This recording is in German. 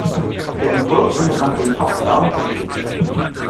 Der Entwurf findet nach dem Top-down-Prinzip statt.